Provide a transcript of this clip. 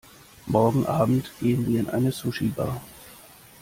Morgen Abend gehen wir in eine Sushibar.